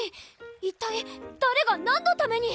一体誰が何のために？